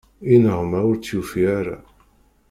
Ineɣma ur tt-yufi ara.